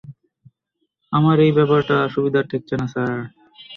আমার এই ব্যাপারটা সুবিধার ঠেকছে না, স্যার।